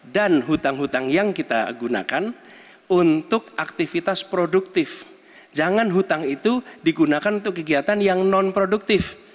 dan hutang hutang yang kita gunakan untuk aktivitas produktif jangan hutang itu digunakan untuk kegiatan yang non produktif